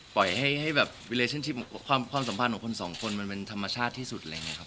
ปล่อยให้ความสัมภาษณ์ของสองคนมันเป็นธรรมชาติที่สุด